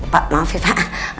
pak maaf ya pak